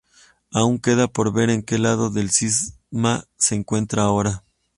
Aún queda por ver en que lado del cisma se encuentra ahora.